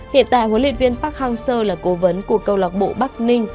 hiện tại huấn luyện viên park hang seo là cố vấn của câu lạc bộ bắc ninh